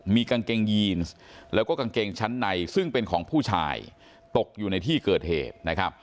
มีกางเกงยีนแล้วก็กางเกงชั้นในซึ่งเป็นของผู้ชายตกอยู่ในที่เกิดเหตุนะครับ